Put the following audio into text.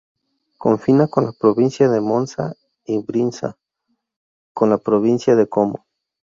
Confina con la provincia de Monza y Brianza y con la Provincia de Como.